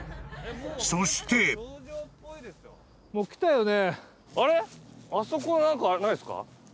［そして］来たよね。